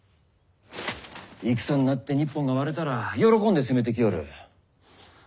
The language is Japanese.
戦になって日本が割れたら喜んで攻めてきよる。